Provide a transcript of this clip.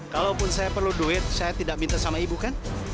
kalaupun saya perlu duit saya tidak minta sama ibu kan